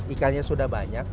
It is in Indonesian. ikannya sudah banyak